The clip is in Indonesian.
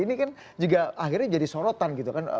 ini kan juga akhirnya jadi sorotan gitu kan